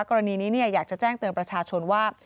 กรณีนี้อยากจะแจ้งเตือนประชาชนว่า